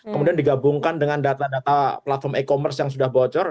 kemudian digabungkan dengan data data platform e commerce yang sudah bocor